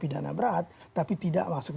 pidana berat tapi tidak masuk